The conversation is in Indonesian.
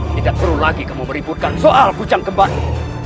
tidak perlu lagi kamu meributkan soal kucang kembali